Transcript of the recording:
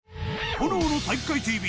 「炎の体育会ＴＶ」